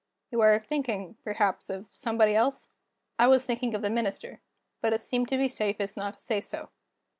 "You are thinking, perhaps, of somebody else?" I was thinking of the Minister; but it seemed to be safest not to say so.